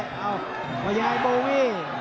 เอ้าบรรยายโบวี่